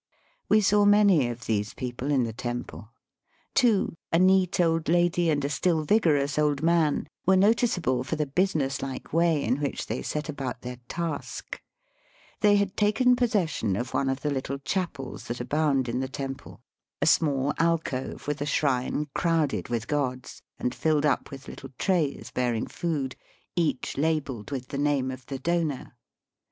We saw many of these people in the temple. Two, a neat old lady and a still vigorous old man, were noticeable for the business like way Digitized by VjOOQIC TEMPLES AND WORSHIPPERS. 79 in which they set ahout their task. They had taken possession of one of the little chapels that abound in the temple, a small alcove with a shrine crowded with gods, and filled up with little trays bearing food, each labelled with the name of the donor.